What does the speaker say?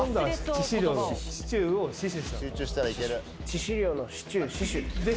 致死量のシチュー死守。